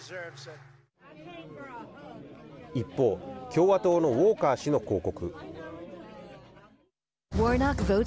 一方共和党のウォーカー氏の広告。